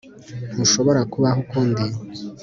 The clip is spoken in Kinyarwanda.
Ntushobora kubaho ukundi